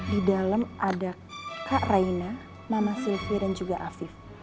di dalam ada kak raina mama sylvia dan juga afif